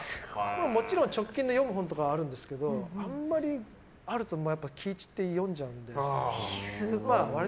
もちろん直近で読む本とかはあるんですけどあんまりあると気が散って読んじゃうので。